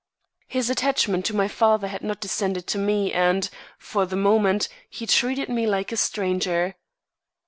His attachment to my father had not descended to me and, for the moment, he treated me like a stranger.